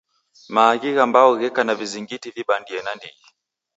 Maaghi gha mbau gheka na vizingiti vibandie nandighi.